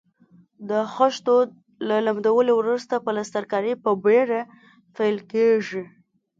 د خښتو له لمدولو وروسته پلسترکاري په بېړه پیل کیږي.